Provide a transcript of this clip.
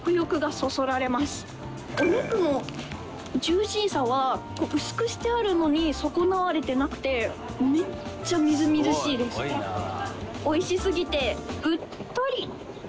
お肉のジューシーさは薄くしてあるのに損なわれてなくてめっちゃみずみずしいです。